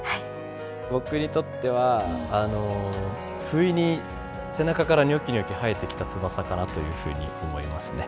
僕にとってはふいに背中からにょきにょき生えてきた翼かなというふうに思いますね。